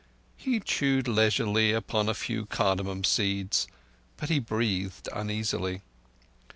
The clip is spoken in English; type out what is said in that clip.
He chewed leisurely upon a few cardamom seeds, but he breathed uneasily.